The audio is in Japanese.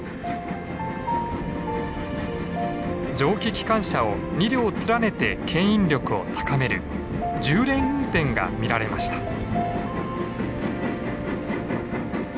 蒸気機関車を２両連ねてけん引力を高める重連運転が見られました。